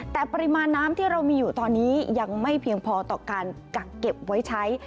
แต่ปริมาณน้ำที่เรามีอยู่ตอนนี้ยังไม่เพียงพอต่อการกักเก็บไว้ใช้